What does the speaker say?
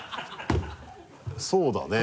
そうだね。